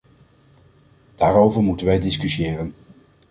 Daarover moeten wij discussiëren.